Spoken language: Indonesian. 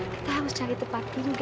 kita harus cari tempat dulu